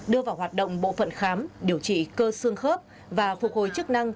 đưa vào hoạt động bộ phận khám điều trị cơ xương khớp và phục hồi chức năng